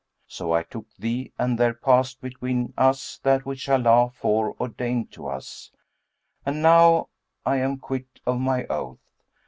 So I took thee and there passed between us that which Allah fore ordained to us; and now I am quit of my oath.'